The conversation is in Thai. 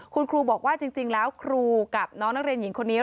คุณครูบอกว่าจริงแล้วครูกับน้องนักเรียนหญิงคนนี้